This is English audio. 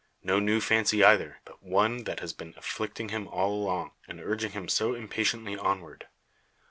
No new fancy either; but one that has been afflicting him all along, and urging him so impatiently onward.